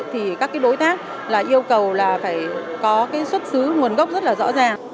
thì các đối tác là yêu cầu là phải có cái xuất xứ nguồn gốc rất là rõ ràng